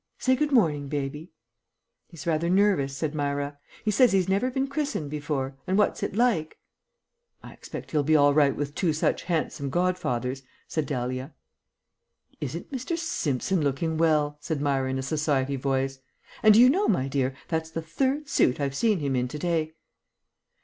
Say 'Good morning,' baby." "He's rather nervous," said Myra. "He says he's never been christened before, and what's it like?" "I expect he'll be all right with two such handsome godfathers," said Dahlia. "Isn't Mr. Simpson looking well?" said Myra in a society voice. "And do you know, dear, that's the third suit I've seen him in to day."